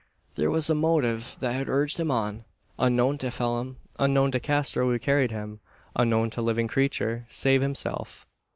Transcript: There was a motive that had urged him on, unknown to Phelim unknown to Castro who carried him unknown to living creature, save himself.